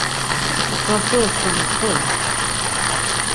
Oxrasure skani so ren?